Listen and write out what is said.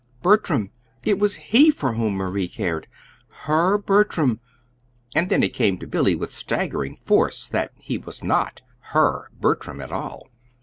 Bertram! It was he for whom Marie cared HER Bertram! And then it came to Billy with staggering force that he was not HER Bertram at all.